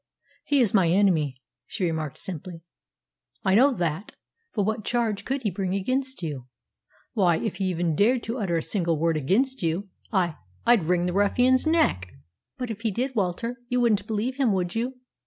"He is my enemy," she remarked simply. "I know that. But what charge could he bring against you? Why, if even he dared to utter a single word against you, I I'd wring the ruffian's neck!" "But if he did, Walter, you wouldn't believe him, would you?"